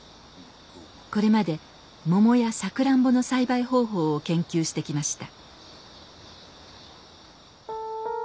これまでモモやサクランボの栽培方法を研究してきました。